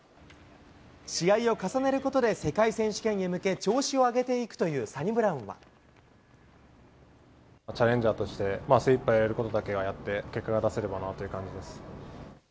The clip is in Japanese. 試合を重ねることで世界選手権へ向け、調子を上げていくというサチャレンジャーとして、精いっぱいやれることだけはやって、結果が出せればなという感じ